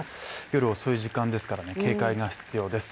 夜遅い時間ですから警戒が必要です。